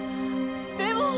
でも！